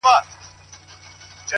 دا دومره پیاوړې جذبه ده